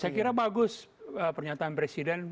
saya kira bagus pernyataan presiden